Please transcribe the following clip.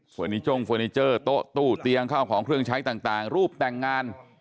นิจ้งเฟอร์นิเจอร์โต๊ะตู้เตียงข้าวของเครื่องใช้ต่างรูปแต่งงาน